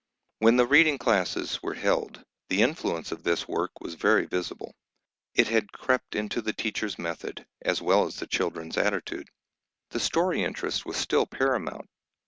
When the reading classes were held, the influence of this work was very visible. It had crept into the teachers' method, as well as the children's attitude. The story interest was still paramount.